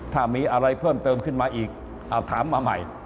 ถ้ามีอะไรเพิ่มเติมขึ้นมาอีกเอาถามมาใหม่